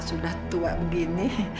sudah tua begini